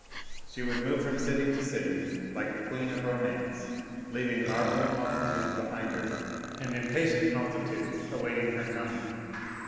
She would move from city to city like a queen of romance, leaving marveling multitudes behind her and impatient multitudes awaiting her coming.